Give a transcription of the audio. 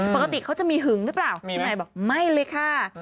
ปกติเขาจะมีหึงหรือเปล่าพี่นายบอกไม่เลยค่ะ